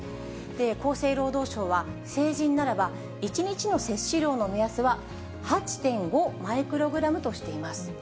厚生労働省は、成人ならば１日の摂取量の目安は８．５マイクログラムとしています。